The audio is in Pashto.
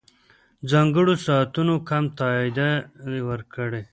ځانګړو ساعتونو کم تادیه ورکړي.